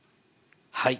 はい。